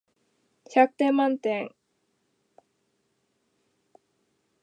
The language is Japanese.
百点満点